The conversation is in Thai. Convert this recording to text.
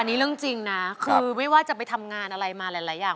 อันนี้เรื่องจริงนะคือไม่ว่าจะไปทำงานอะไรมาหลายอย่าง